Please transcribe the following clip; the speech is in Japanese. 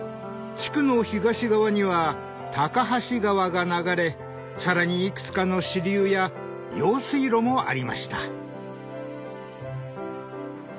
地区の東側には高梁川が流れ更にいくつかの支流や用水路もありました。